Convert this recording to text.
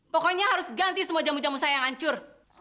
pokoknya harus ganti semua jamu jamu saya yang hancur